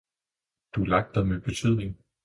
du er lagt der med betydning.